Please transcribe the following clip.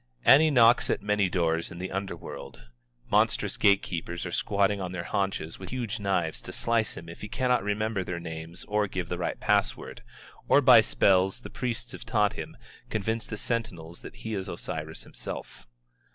Ani knocks at many doors in the underworld. Monstrous gatekeepers are squatting on their haunches with huge knives to slice him if he cannot remember their names or give the right password, or by spells the priests have taught him, convince the sentinels that he is Osiris himself.